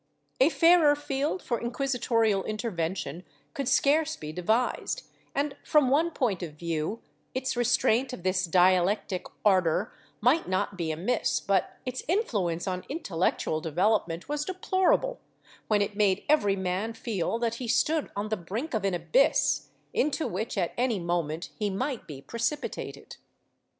^ A fairer field for inquisitorial intervention could scarce be devised and, from one point of view, its restraint of this dialectic ardor might not be amiss, but its influence on intellectual development was deplorable, when it made every man feel that he stood on the brink of an abyss into which, at any moment, he might be precipitated.